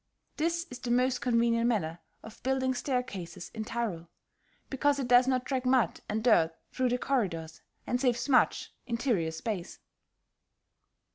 This is the most convenient manner of building staircases in Tyrol, because it does not track mud and dirt through the corridors, and saves much interior space.